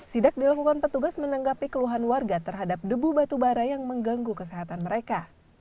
sidak dilakukan petugas menanggapi keluhan warga terhadap debu batubara yang mengganggu kesehatan mereka